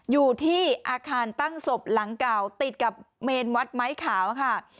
อยู่ที่อาคารตั้งศพหลังเก่าติดกับเมนวัดไม้ขาวค่ะ